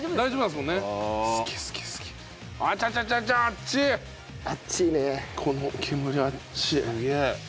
すげえ。